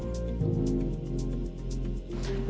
apa yang mereka lakukan